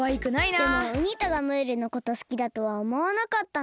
でもウニ太がムールのことすきだとはおもわなかったな。